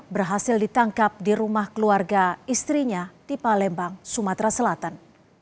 berhasil ditangkap di rumah keluarga istrinya di palembang sumatera selatan